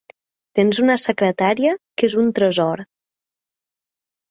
Tens una secretària que és un tresor.